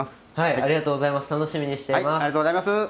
ありがとうございます。